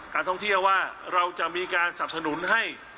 การท่องเที่ยวว่าเราจะมีการสับสนุนให้